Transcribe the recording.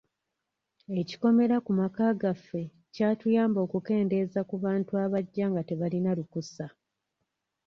Ekikomera ku maka gaffe kyatuyamba okukendeeza ku bantu bajja nga tebalina lukusa.